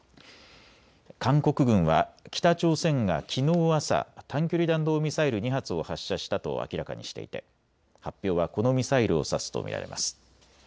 韓国軍は北朝鮮がきのう朝短距離弾道ミサイル２発を発射したと明らかにしていて発表はこのミサイルを指すと見られます。